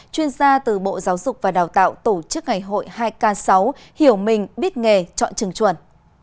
chuyên gia từ bộ giáo dục và đào tạo tổ chức ngày hội hai k sáu hiểu mình biết nghề chọn trường chuẩn